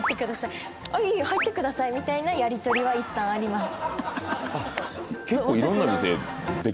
「いいえ入ってください」みたいなやりとりはいったんあります